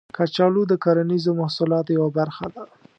کچالو د کرنیزو محصولاتو یوه برخه ده